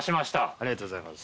ありがとうございます。